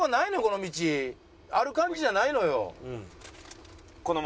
ある感じじゃないのよ。